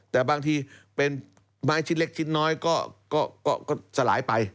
แต่บางทีเป็นไม้ชิ้นเล็กชิ้นน้อยก็สลายไป